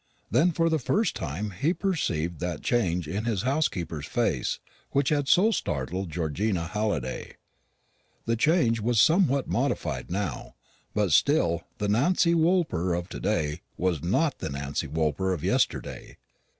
Then for the first time he perceived that change in his housekeeper's face which had so startled Georgina Halliday. The change was somewhat modified now; but still the Nancy Woolper of to day was not the Nancy Woolper of yesterday.